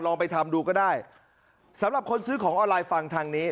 ลองไปทำดูก็ได้สำหรับคนซื้อของออนไลน์ฟังทางนี้